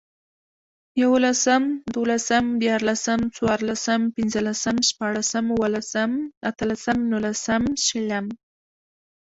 ېولسم، دولسم، ديارلسم، څوارلسم، پنځلسم، شپاړسم، اوولسم، اتلسم، نولسم، شلم